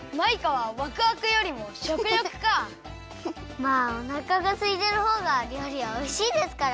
まあおなかがすいてるほうがりょうりはおいしいですから！